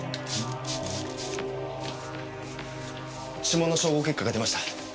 指紋の照合結果が出ました。